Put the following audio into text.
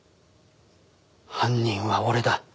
犯人は俺だ。